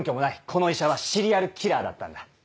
この医者はシリアルキラーだったんだ。